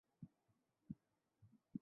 তো, আমরা কি শুধু চেয়ে চেয়ে দেখবো?